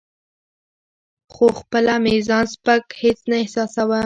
خو خپله مې ځان سپک هیڅ نه احساساوه.